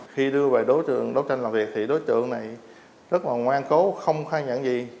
khi đưa về đối tượng đối tượng làm việc thì đối tượng này rất là ngoan cố không thay nhận gì